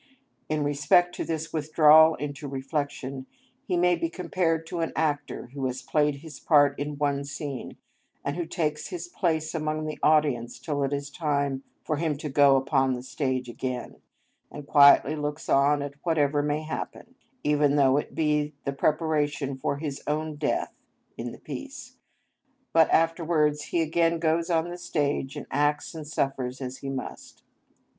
In respect of this withdrawal into reflection he may be compared to an actor who has played his part in one scene, and who takes his place among the audience till it is time for him to go upon the stage again, and quietly looks on at whatever may happen, even though it be the preparation for his own death (in the piece), but afterwards he again goes on the stage and acts and suffers as he must.